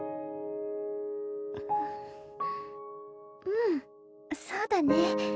うんそうだね。